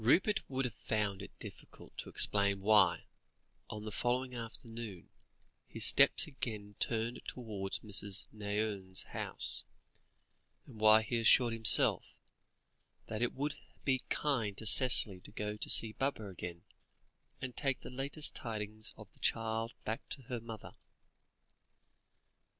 Rupert would have found it difficult to explain why, on the following afternoon, his steps again turned towards Mrs. Nairne's house, and why he assured himself, that it would be kind to Cicely to go to see Baba again, and take the latest tidings of the child back to her mother.